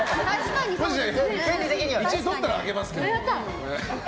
１位とったらあげますけど。